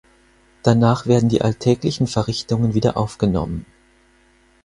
Danach werden die alltäglichen Verrichtungen wieder aufgenommen.